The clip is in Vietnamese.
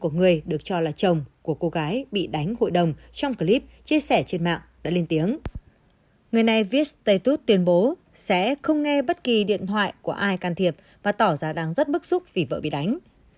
người này viết status tuyên bố sẽ không nghe bất kỳ điện thoại của ai can thiệp và tỏ ra đang rất bức xúc vì vợ bị đánh